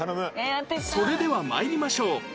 それでは参りましょう。